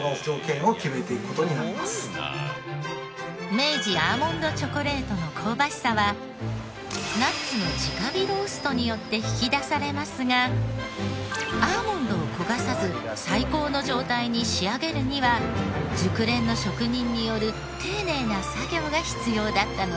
明治アーモンドチョコレートの香ばしさはナッツの直火ローストによって引き出されますがアーモンドを焦がさず最高の状態に仕上げるには熟練の職人による丁寧な作業が必要だったのです。